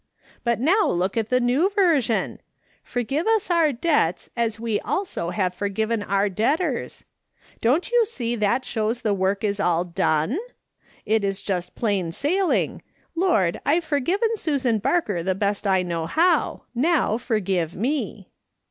But now look at the New Version :' Forgive us our debts as we also have forgiven our debtors.' "SHOl THAT ARGUMENT UPSETS ITSELF." 269 Don't you see that shows the work is all done ? It is just plain sailing: 'Lord, I've forgiven Susan Barker the best I know how ; now forgive me.'